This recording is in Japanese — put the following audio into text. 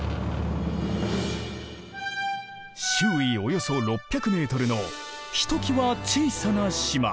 周囲およそ６００ｍのひときわ小さな島。